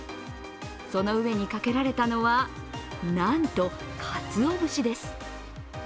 その上にかけられたのは、なんとかつお節です。